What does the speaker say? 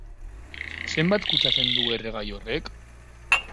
Zenbat kutsatzen du erregai horrek?